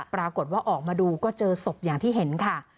ปรากฏว่าออกมาดูก็เจอศพอย่างที่เห็นค่ะ